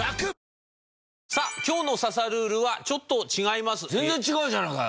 さあ今日の『刺さルール』はちょっと違います。